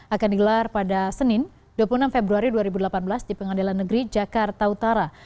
akan digelar pada senin dua puluh enam februari dua ribu delapan belas di pengadilan negeri jakarta utara